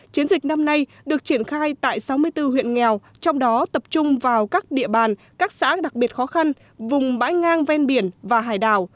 chiến dịch năm nay được triển khai tại sáu mươi bốn huyện nghèo trong đó tập trung vào các địa bàn các xã đặc biệt khó khăn vùng bãi ngang ven biển và hải đảo